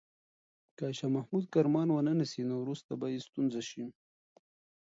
که شاه محمود کرمان ونه نیسي، نو وروسته به یې ستونزه شي.